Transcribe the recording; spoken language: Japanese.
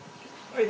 はい。